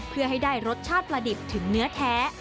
เพื่อให้ได้รสชาติประดิบถึงเนื้อแท้